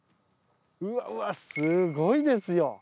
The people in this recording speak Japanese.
うわうわすごいですよ。